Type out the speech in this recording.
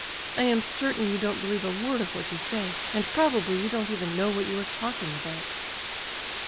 I am certain you don't believe a word of what you say, and probably you don't even know what you are talking about."